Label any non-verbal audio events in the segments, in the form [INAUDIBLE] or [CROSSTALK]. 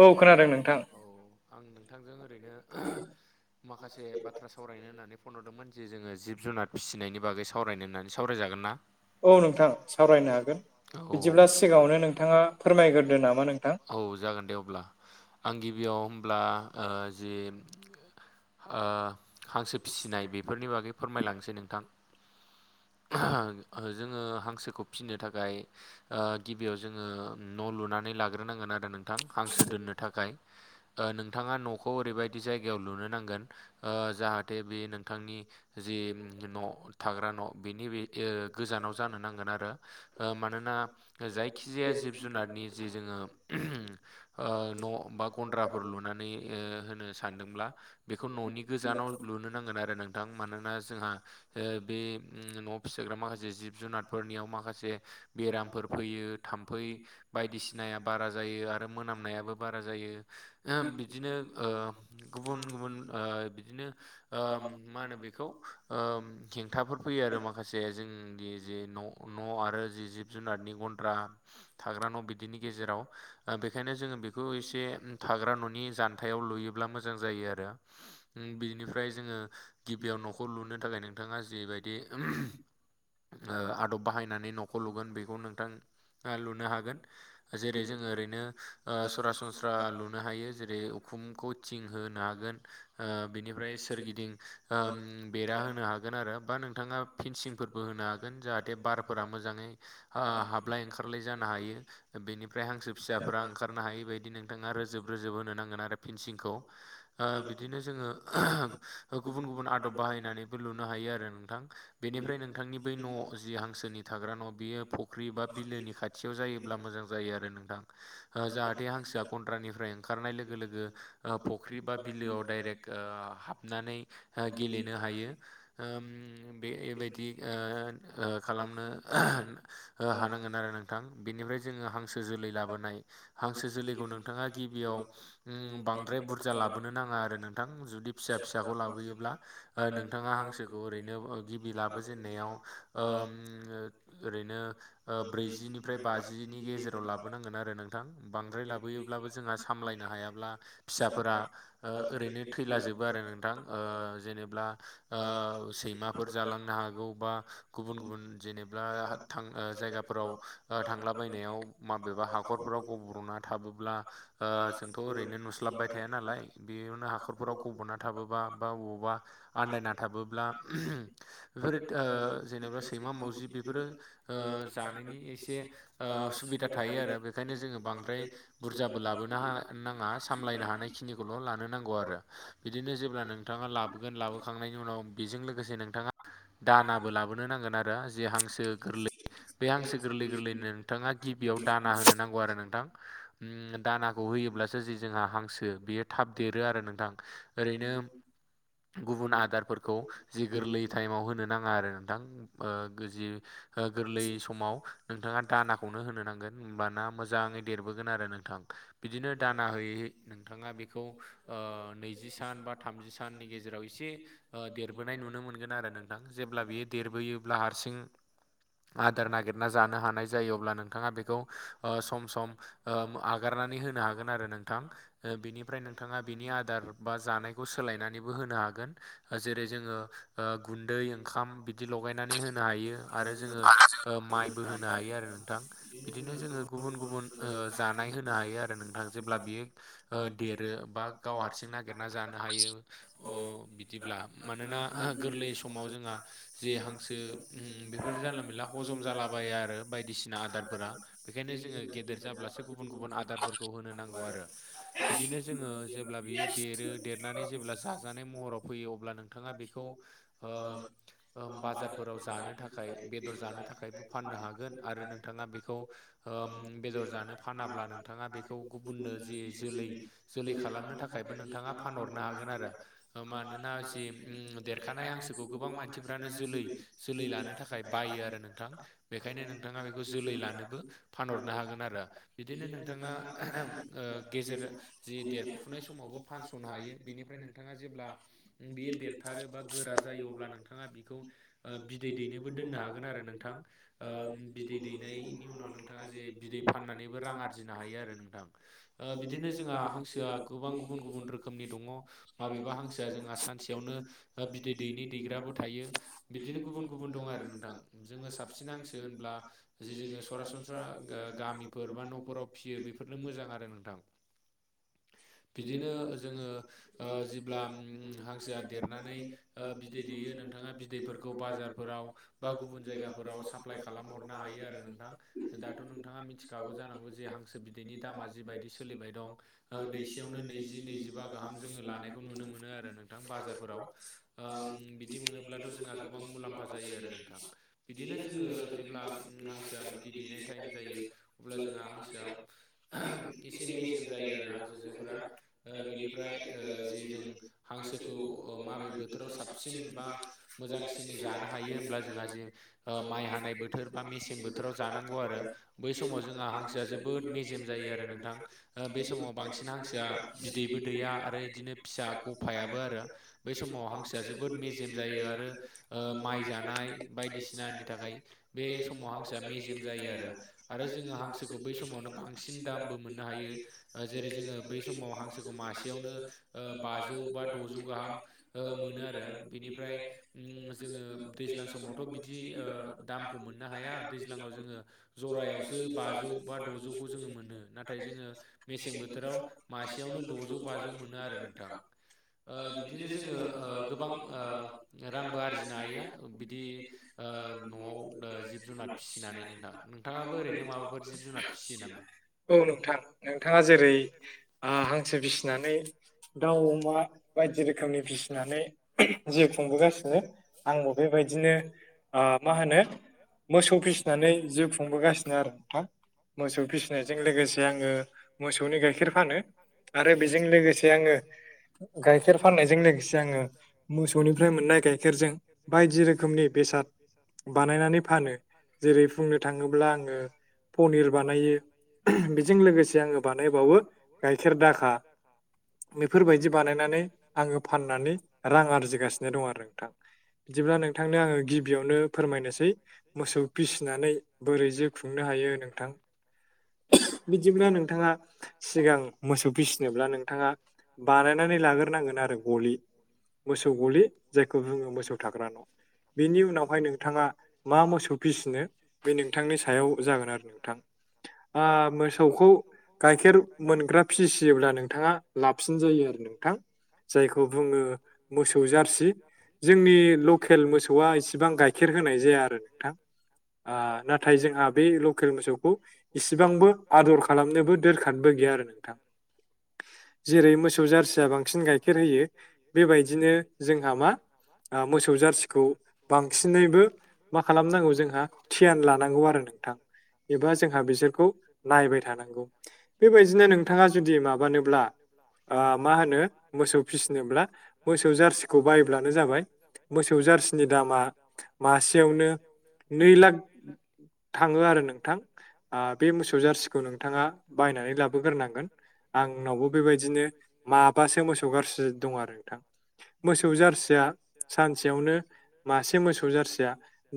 औ खोनादों नोंथां औ आं नोंथांजों ओरैनो माखासे बाथ्रा सावरायनो होननानै फन हरदोंमोन जे जोङो जिब जुनार फिसिनायनि बागै स सावरायनो होननानै सावरायजागोन ना? औ नोंथां सावरायनो हागोन औ बिदिब्ला सिगाङावनो नोंथाङा फोरमायग्रोदो नामा नोंथां? औ जागोन दे अब्ला आं गिबियाव होमब्ला जि हांसो फिसिनाय बेफोरनि बागै फोरमायलांसै नोंथां। जोङो हांसोखौ फिनो थाखाय गिबियाव जोङो न' लुनानै लाग्रोनांगोन आरो नोंथां हांसो दोननो थाखाय। नोंथाङा न'खौ ओरैबायदि जायगायाव लुनो नांगोन ओ जाहाथे बे नोंथांनि जि न' थाग्रा न' बिनि बे ओ गोजानाव जानो नांगोन आरो ओ मानोना जायखि जाया जिब जुनारनि जि जोङो ओ न' बा गन्द्राफोर लुनानै ओ होनो सानदोंब्ला बेखौ न'नि गोजानाव लुनो नांगोन आरो नोंथां। मानोना जोंहा बे न' फिसोग्रा माखासे जिब जुनारफोरनियाव माखासे बेरामफोर फैयो थाम्फै बायदिसिनाया बारा जायो आरो मोनामनायाबो बारा जायो बिदिनो गुबुन गुबुन बिदिनो मा होनो बेखौ हेंथाफोर फैयो। आरो माखासे जोंनि जि न' आरो जि जिब जुनारनि गन्द्रा थाग्रा न' बिदिनि गेजेराव बेखायनो जोङो बेखौ एसे थाग्रा न'नि जान्थायाव लुयोब्ला मोजां जायो आरो। बिनिफ्राय जोङो गिबियाव न'खर लुनो थाखाय नोंथाङा जिबायदि दे आदब बाहायनानै न'खौ लुगोन बेखौ नोंथां लुनो हागोन। जेरै जोङो ओरैनो सरासनस्रा लुनो हायो जेरै उखुमखौ थिं होनो हागोन। बिनिफ्राय सोरगिदिं बेरा होनो हागोन आरो बा नोंथाङा फेनसिंफोरबो होनो हागोन जाहाथे बारफोरा मोजाङै हाबलाय ओंखारलाय जानो हायो। बेनिफ्राय हांसो फिसाफ्रा ओंखारनो हायि बायदि नोंथाङा रोजोब रोजोब होनो नांगोन आरो फिन्सिंखौ बिदिनो जोङो गुबुन गुबुन आदब बाहायनानैबो लुनो हायो आरो नोंथां। बेनिफ्राय नोंथांनि बै न' जि हांसोनि थाग्रा न' बियो फुख्रि बा बिलोनि खाथि खाथियाव जायोब्ला मोजां जायो आरो नोंथां। जाहाथे हांसोआ गन्द्रानिफ्राय ओंखारनाय लोगो लोगो फुख्रि बा बिलोआव दडाइरेक्ट हाबनानै गेलेनो हायो बायदि खालामनो हानांगोन आरो नोंथां बेनिफ्राय जोङो हांसो जोलै लाबोनाय हांसो जोलैखौ नोंथाङा गिबियाव बांद्राय बुरजा लाबोनो नाङा आरो नोंथां। जुदि फिसा फिसाखौ लाबोयोब्ला नोंथाङा हांसोखौ ओरैनो बि लाबोजेननायाव ओरैनो ब्रैजिनिफ्राय बाजिनि गेजेराव लाबोनांगोन आरो नोंथां। बांद्राय लाबोयोब्लाबो जोंहा सामलायनो हायाब्ला फिसाफोरा ओरैनो थैलाजोबो आरो नोंथां। जेनब्ला सैमा जालांनो हागौ बा गुबुन गुबुन जेनेबा थां जायगाफोराव थांलाबायनायाव माबेबा हाखरफोराव गब्र'ना थाबोब्ला जोंथ' ओरैनो नुस्लाबबाय थाया नालाय। बेयावनो हाखरफोराव गब'ना थाबोबा बा अबावबा आन्दायना थाबोब्ला [UNINTELLIGIBLE] बेफोरो जेनेबा सैमा मावजि बेफोरो जानायनि एसे सुबिदा थायो आरो बेखायनो जोङो बांद्राय बुरजाबो लाबोनो नाङा सामलायनो हानाय खिनिखौल' लानो नांगौ आरो। बिदिनो जेब्ला नोंथाङा लाबोगोन लाबोखांनायनि उनाव बेजों लोगोसे नों' नोंथाङा दानाबो लाबोनो नांगोन आरो जे हांसो गोरलै बे हांसो गोरलै गोरलैनो नोंथाङा गिबियाव दाना होनो नांगौ आरो नोंथां। दाना होयोब्लासो जि जोंहा हांसो बियो थाब देरो आरो नोंथां। ओरैनो गुबुन आदारफोरखौ जि गोरलै टाइमाव होनो नाङा आरो नोंथां। जि गोरलै समाव नोंथाङा दानाखौनो होनो नांगोन होमबाना मोजाङै देरबोगोन आरो नोंथां। बिदिनो दाना होयै नोंथाङा बेखौ नैजि सान बा थामजि साननि गेजेराव एसे देरबोनाय नुनो मोनगोन आरो नोंथां। जेब्ला बियो देरबोयोब्ला हारसिं आदार नागिरना जानो हानाय जायो अब्ला नोंथाङा बेखौ सम सम आगारनानै होनो हागोन आरो नोंथां। बिनिफ्राय नोंथाङा बिनि आदार बा जानायखौ सोलायनानैबो होनो हागोन। जेरै जोङो गुन्दै ओंखाम बिदि लगायनानै नानै होनो हायो आरो जोङो माइबो होनो हायो आरो नोंथां बिदिनो जोङो गुबुन गुबुन जानाय होनो हायो आरो नोंथां। जेब्ला बियो देरो बा गाव हारसिं नागिरना जानो हायो। बिदिब्ला मानोना गोरलै समाव जोंहा जे हांसो उम बेफोर जानला मोनला हजम जालाबाया आरो बायदिसिना आदारफोरा बेखायनो जोङो गेदेर जाब्लासो गुबुन गुबुन आदारफोरखौ होनो नांगौ आरो। बिदिनो जोङो जेब्ला बियो देरो देरनानै जेब्ला जाजानाय महराव फैयो अब्ला नोंथाङा बे खौ ओ ओ बाजार जानो थाखाय बेदर जानो थाखायबो फाननो हागोन आरो नोंथाङा बेखौ उम बेदर जानो फानाब्ला नोंथाङा बेखौ गुबुननो जि जोलै जोलै खालामनो थाखायबो नोंथाङा फानहरनो हागोन आरो मानोना जि उम देरखानाय हांसोखौ गोबां मानसिफ्रानो जोलै जोलै लानो थाखाय बायो आरो नोंथां। बेखायनो नोंथाङा बेखौ जोलै लानोबो फानहरनो हागोन आरो बिदिनो नोंथाङा ओ गेजेर जि देरफुनाय समावबो फानस'नो हायो बेनिफ्राय नोंथाङा जेब्ला बेयो देर खारोबा गोरा जायो अब्ला नोंथाङा बेखौ ओ बिदै दैनोबो दोननो हागोन आरो नोंथां ओ बिदै दैनायनि उनाव जे बिदै फाननानैबो रां आरजिनो हायो आरो नोंथां ओ बिदिनो जोंहा हांसोआ गोबां गुबुन गुबुन रोखोमनि दङ माबेबा हांसोआ जोंहा सानसेयावनो बिदै दैनै दैग्राबो थायो। बिदिनो गुबुन गुबुन दं आरो नोंथां जोङो साबसिन हांसो होनब्ला जे जोङो सरासनस्रा गामि बा न'फोराव फिसियो बेफोरनो मोजां आरो नोंथां। बिदिनो जोङो ओ जेब्ला हांसोआ देरनानै ओ बिदै दैेयो नोंथाङा बिदैफोरखौ बाजारफोराव बा गुबुन जायगाफोराव साप्लाय खालामहरनो हायो आरो नोंथां। दाथ' नोंथाङा मिथिखागौ जानांगौ जे हांसो बिदैनि दामा जिबायदि सोलिबाय दं। दैसेयावनो नैजि नैजिबा गाहाम जोङो लानायखौ नुनो मोनो आरो नोंथां बाजार फोराव उम बिदि मोनो ब्लाथ' जोंहा गोबां मुलाम्फा जायो आरो नोंथां बिदिनो जोङो जेब्ला हांसोआ बिदै दैनाय टाइम जायो अब्ला जोंहा हांसोआ एसे मेजेम जायो आरो हांसो जोफ्रा। ओ बेनिफ्राय ओ जि जों हांसोखौ माबे बोथोराव साबसिन बा मोजांसिन जानो हायो होमब्ला जोंहा जे माइ हानाय बोथोर बा मेसें बोथोराव जानांगौ आरो। बै समाव जोंहा हांसोआ जोबोद मेजेम जायो आरो नोंथां बे समाव बांसिन हांसोआ बिदैबो दैया आरो बिदिनो फिसा गफायाबो आरो बै समाव हांसोआ जोबोद मेजेम जायो। बेयो आरो ओ माइ जानाय बायदिसिनानि थाखाय बे समाव हांसोआ मेजेम जायो आरो। आरो जोङो हांसोखौ बै समावनो बांसिन दामबो मोननो हायो जेरै जोङो बै समाव हांसो मासेयावनो बाजौ बा दजौ गाहाम ओ मोनो आरो बेनिफ्राय उम जोङो दैज्लां समावथ' बिदि ओ दामखौ मोननो हाया दैज्लाङाव जोङो जरायावसो बाजौ बा द'जौखौ जोङो मोनो नाथाय जोङो मेसें बोथोराव मासेयावनो द'जौ बाजौ मोनो आरो नोंथां। ओ बिदिनो जोङो ओ गोबां ओ रांबो आरजिनो हायो बिदि ओ न'आव जिब जुनार फिसिनानै नोंथां नोंथाङाबो ओरैनो माबाफोर जिब जुनार फिसियो नामा? औ नोंथां नोंथाङा जेरै हांसो फिसिनानै दाउ अमा बायदि रोखोमनि फिसिनानै जिउ खुंबोगासिनो आंबो बेबायदिनो ओ मा होनो मोसौ फिसिनानै जि खुंबोगासिनो आरो हा मोसौ फिसिनायजों लोगोसे आङो मोसौनि गाइखेर फानो आरो बेजों लोगोसे आङो गाइखेर फाननायजों लोगोसे आङो मोसौनिफ्राय मोननाय गाइखेरजों बायदि रोखोमनि बेसाद बानायनानै फानो जेरै बुंनो थाङोब्ला आङो पनिर बानायो बेजों लोगोसे आङो बानायबावो गाइखेर दाखा बेफोरबायदि बानायनानै आङो फाननानै रां आरजिगासिनो दं आरो नोंथां। बिदिब्ला नोंथांनो आङो गिबियावनो फोरमायनोसै मोसौ फिसिनानै बोरै जे खुंनो हायो नोंथां। बिदिब्ला नोंथाङा सिगां मोसौ फिसिनोब्ला नोंथाङा बानायनानै लाग्रोनांगोन आरो गलि। मोसौ गलि जायखौ बुङो मोसौ थाग्रा न' बिनि उनावहाय नोंथाङा मा मोसौफिसिनो बे नोंथांनि सायाव जागोन आरो नोंथां आं मो सौखौ गाइखेर मोनग्रा फिसियोब्ला नोंथाङा लाबसिन जायो आरो नोंथां। जायखौ बुङो मोसौ जारसि जोंनि लखेल मोसौआ एसेबां गाइखेर होनाय जाया आरो नोंथां। आ नाथाय जोंहा बे लकेल मोसौखौ इसिबांबो आदर खालामनोबो दोरखारबो गैया आरो नोंथां। जेरै मोसौ जारसिया बांसिन गाइखेर होयो बेबायदिनो जोंहा मा मोसौ जारसिखौ बांसिनैबो मा खालामनांगौ जोंहा थियान लानांगौ आरो नों नोंथां एबा जोंहा बिसोरखौ नायबाय थानांगौ बेबायदिनो नोंथाङा जुदि माबानोब्ला। ओ मा होनो मोसौ फिसिनोब्ला मोसौ जारसिखौ बायब्लानो जाबाय। मोसौ जारसिनि दामा मासेयावनो नै लाख थाङो आरो नोंथां। आ बे मोसौ जारसिखौ नोंथाङा बायनानै लाबोग्रोनांगोन। आंनावबो बेबायदिनो माबासो मोसौ गारसि दं आरो नोंथां। मोसौ जारसिया सानसेयावनो मासे मोसौ जारसिया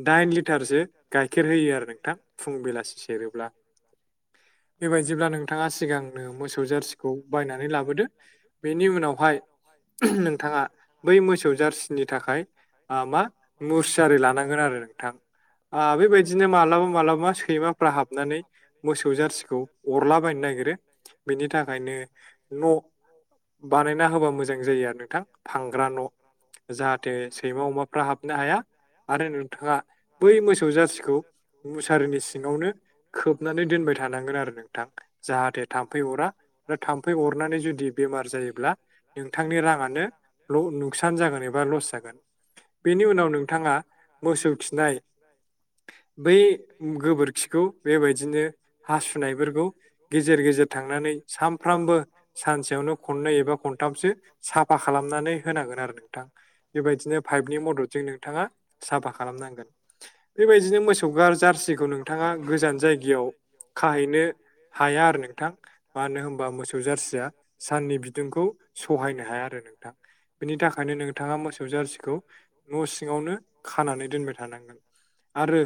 दाइन लिटारसो गाइखेर होयो आरो नोंथां फुं बेलासि सेरोब्ला। बेबायाददिब्ला नोंथाङा सिगांनो मोसौ जारसिखौ बायनानै लाबोदो। बेनि उनावहाय नोंथाङा बै मोसौ जारसिनि थाखाय आ मा मुसारि लानांगोन आरो नोंथां। आ बेबायदिनो मालाबा मालाबा सैमाफ्रा हाबनानै मोसौ जारसिखौ अरला बायनो नागिरो बेनि थाखायनो न' बानायना होबा मोजां जायो आरो नोंथां फांग्रा न'। जाहाथे सैमा अमाफ्रा हाबनो हाया। आरो नोंथाङा बै मोसौ जाथिखौ मुसारिनि सिङावनो। खोबनानै दोनबाय थानांगोन आरो नोंथां जाहाथे। थाम्फै अरा दा थाम्फै अरनानै जुदि बेमार जायोब्ला। नोंथांनि राङानो ल' नुकसान जागोन एबा लस जागोन। बेनि उनाव नोंथाङा मोसौ खिनाय। बै गोबोरखिखौ बेबायदिनो हासुनायफोरखौ‌ गे गेजेर गेजेर थांनानै सानफ्रामबो सानसेयावनो खननै एबा खन सथामसो साफा खालामनानै होनांगोन आरो नोंथां बेबायदिनो पाइपनि मददजों नोंथाङा। साफा खालामनांगोन बेबायदिनो मोसौ गार जार्सिखौ नोंथाङा गोजान जायगायाव खाहैनो हाया आरो नोंथां मानो होनबा मोसौ जारसिया साननि बिदुंखौ। सहायनो हाया आरो नोंथां बिनि थाखायनो नोंथाङा मोसौ जारसिखौ न' सिङावनो खानानै दोनबाय थानांगोन। आरो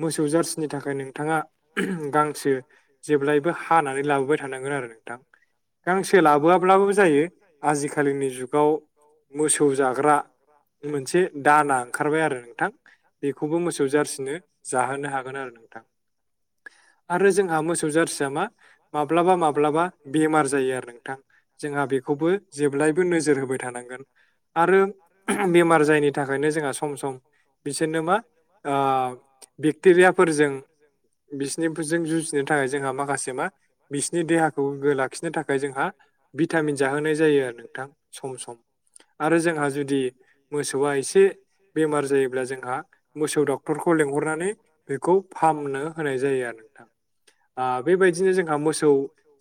मोसौ जार्सिनि थाखाय नोंथाङा गांसो जेब्लायबो हानानै लाबोबाय थानांगोन आरो नोंथां गांसो लाबोआब्लाबो जायो‌ आजिखालिनि जुगाव मोसौ जाग्रा मोनसे दाना ओंखारबाय आरो नोंथां बेखौबो मोसौ जारसि नो जाहोनो हागोन आरो नोंथां। आरो जोंहा मोसौ जारसिया मा माब्लाबा माब्लाबा बेमार जायो आरो नोंथां। जोंहा बेखौबो जेब्लायबो नोजोर होबाय थानांगोन आरो बेमार जायैनि थाखायनो जोंहा सम सम बिसोरनो मा ओ बेक्टेरियाफोरजों [UNINTELLIGIBLE] बिसिनिजों जुजिनो थाखाय जोंहा माखासे मा बिसिोरनि देहाखौ गोग्गो लाखिनो थाखाय जोंहा। भिटामिन जाहोनाय जायो आरो नोंथां सम सम आरो जोंहा जुदि, मोसौआ एसे बेमार जायोब्ला जोंहा मोसौ दक्टर डक्टरखौ लेंहरनानै बेखौ फाहामनो होनाय जायो आरो नोंथां। बेबायदिनो जोंहा मोसौ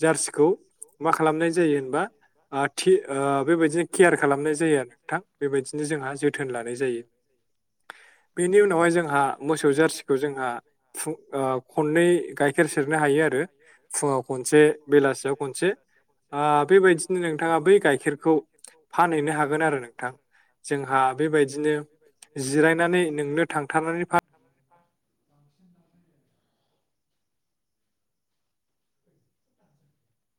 जारसिखौ खालामनाय मा जायो होनबा खालामनाय जायो ओ थि ओ बेबायदिनो केयार खालामनाय जायो आरो नोंथां बेबायदिनो जोंहा जोथोन लानाय जायो। [INAUDIBLE] बेनि उनावहाय जोंहा, मोसौ जारसिखौ जोंहा [UNINTELLIGIBLE] खननै गाइखेर सेरनो हायो आरो। फुंङाव खनसे बेलासियाव खनसे। ओ बेबायदि बेबायदिनो नोंथांङा बै गाइखेरखौ फानहैनो हागोन आरो नोंथांङा। जोंहा बेबायदिनो जिरायनानै नोंनो थांथारनानै [UNINTELLIGIBLE]